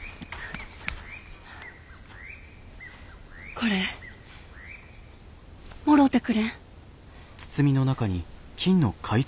これもろうてくれん？